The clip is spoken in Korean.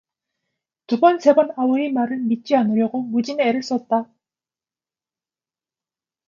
두번 세번 아우의 말을 믿지 않으려고 무진 애를 썼다.